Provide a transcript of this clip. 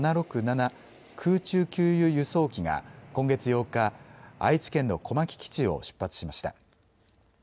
空中給油・輸送機が今月８日、愛知県の小牧基地を出発しました。